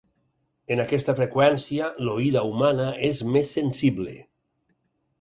En aquesta freqüència l'oïda humana és més sensible.